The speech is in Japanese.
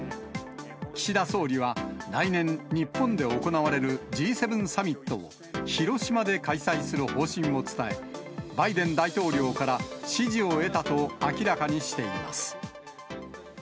岸田総理は来年、日本で行われるＧ７サミットを、広島で開催する方針を伝え、バイデン大統領から支持を得たと明らかにしています。